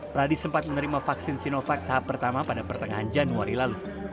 pradi sempat menerima vaksin sinovac tahap pertama pada pertengahan januari lalu